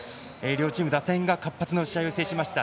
両チーム打線が活発な試合を制しました。